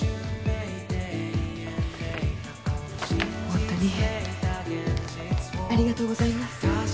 ホントにありがとうございます